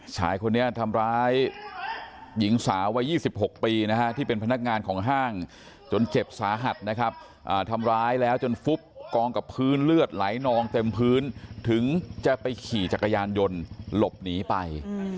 ชายคนนี้ทำร้ายหญิงสาววัย๒๖ปีนะฮะที่เป็นพนักงานของห้างจนเจ็บสาหัสนะครับทำร้ายแล้วจนฟุบกองกับพื้นเลือดไหลนองเต็มพื้นถึงจะไปขี่จักรยานยนต์หลบหนีไป